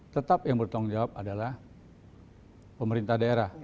tetap yang bertanggung jawab adalah pemerintah daerah